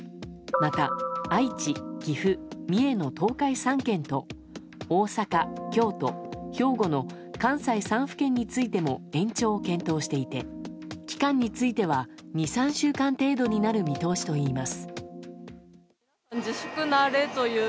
また愛知、岐阜、三重の東海３県と大阪、京都、兵庫の関西３府県についても延長を検討していて期間については２３週間程度になる見通しといいます。